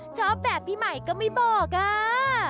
ชอบแบบพี่ใหม่ก็ไม่บอกอ่ะ